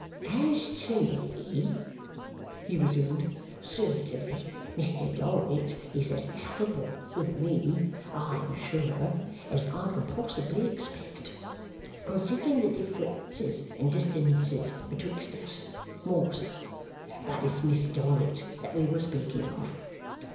'As to me,' he resumed, 'certainly Mr Dorrit is as affable with me, I am sure, as I can possibly expect. Considering the differences and distances betwixt us, more so. But it's Miss Dorrit that we were speaking of.